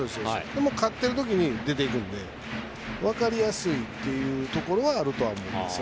でも、勝っているときに出ていくので分かりやすいというところはあると思います。